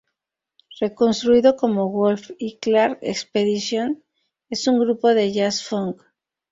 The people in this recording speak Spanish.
Reconstruido como Wolff y Clark Expedition, es un grupo de jazz-funk.